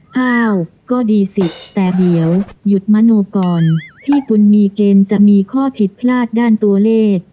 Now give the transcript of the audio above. ห้าวก็ดีสิแต่เดี๋ยวหยุดมโนก่อนพี่กุลมีเกณฑ์จะมีข้อผิดพลาดด้านตัวเลข